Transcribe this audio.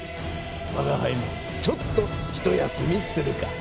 わがはいもちょっとひと休みするか。